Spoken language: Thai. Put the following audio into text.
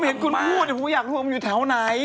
ผมเห็นคุณพูดเร็วผมอยากรู้ผมอยู่แถวไหน